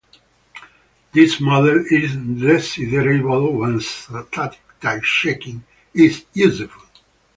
This model is desirable when static type checking is useful.